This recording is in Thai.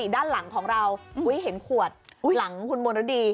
ด้านหลังของเราเห็นขวดหลังคุณมณฤดี